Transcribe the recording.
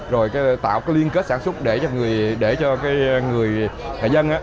rồi tạo cái liên kết sản xuất để cho người dân